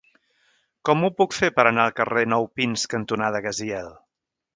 Com ho puc fer per anar al carrer Nou Pins cantonada Gaziel?